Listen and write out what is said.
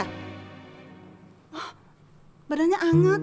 hah badannya anget